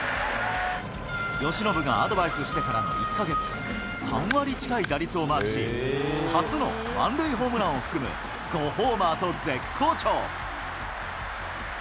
由伸がアドバイスしてからの１か月、３割近い打率をマークし、初の満塁ホームランを含む５ホーマーと絶好調。